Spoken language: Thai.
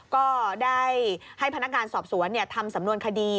ก็ได้ให้พนักงานสอบสวนทำสำนวนคดี